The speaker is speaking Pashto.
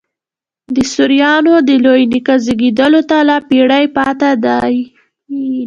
د سوریانو د لوی نیکه زېږېدلو ته لا پېړۍ پاته دي.